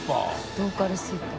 ローカルスーパー。